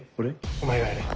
お前がやれよ。